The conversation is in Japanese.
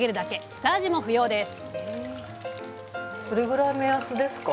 下味も不要です